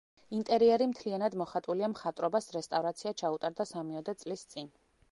ინტერიერი მთლიანად მოხატულია, მხატვრობას რესტავრაცია ჩაუტარდა სამიოდე წლის წინ.